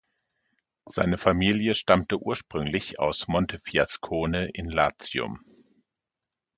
Seine Familie stammte ursprünglich aus Montefiascone in Latium.